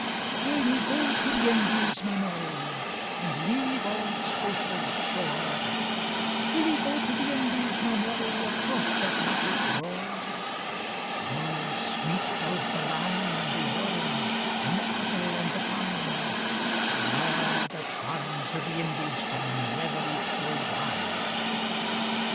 WILL ye go to the Indies, my Mary, And leave auld Scotia's shore? Will ye go to the Indies, my Mary, Across th' Atlantic roar?O sweet grows the lime and the orange, And the apple on the pine; But a' the charms o' the IndiesCan never equal thine.